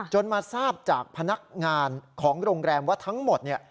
มาทราบจากพนักงานของโรงแรมว่าทั้งหมดเนี่ย